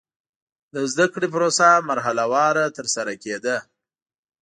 د زده کړې پروسه مرحله وار ترسره کېده.